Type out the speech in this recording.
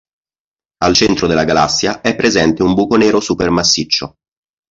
Al centro della galassia è presente un buco nero supermassiccio.